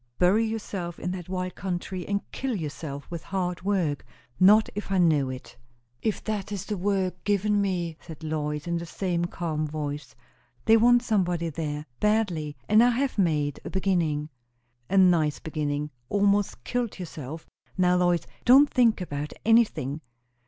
Bury yourself in that wild country, and kill yourself with hard work! Not if I know it." "If that is the work given me," said Lois, in the same calm voice. "They want somebody there, badly; and I have made a beginning." "A nice beginning! almost killed yourself. Now, Lois, don't think about anything!